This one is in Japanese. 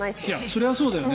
そりゃそうだよね。